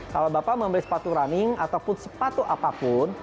kalau bapak membeli sepatu running ataupun sepatu apapun